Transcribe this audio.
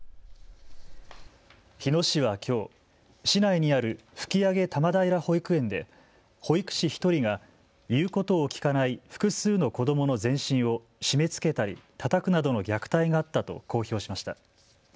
日野市はきょう、市内にある吹上多摩平保育園で保育士１人が言うことを聞かない複数の子どもの全身を締めつけたり、たたくなどの虐待があったと公表しました。